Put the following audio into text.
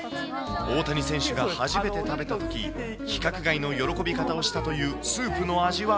大谷選手が初めて食べたとき、規格外の喜び方をしたというスー